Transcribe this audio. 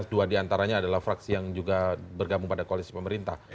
dua diantaranya adalah fraksi yang juga bergabung pada koalisi pemerintah